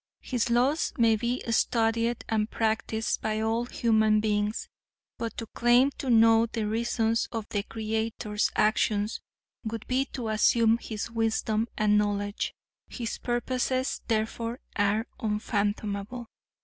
His laws may be studied and practiced by all human beings, but to claim to know the reasons of the Creator's actions would be to assume His wisdom and knowledge. His purposes, therefore, are unfathomable.